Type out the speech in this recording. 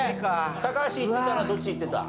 高橋いってたらどっちいってた？